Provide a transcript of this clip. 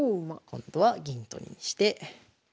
今度は銀取りにして。